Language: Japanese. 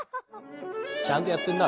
ちゃんとやってんな。